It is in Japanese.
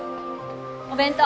お弁当。